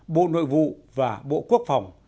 bộ nội vụ và bộ quốc phòng